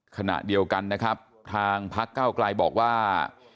ขณะเดียวกันนะครับทางพักเก้าไกลบอกว่า